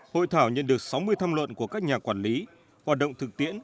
hội thảo nhận được sáu mươi tham luận của các nhà quản lý hoạt động thực tiễn